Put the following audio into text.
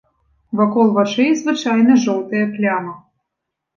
Вакол вачэй звычайна жоўтая пляма.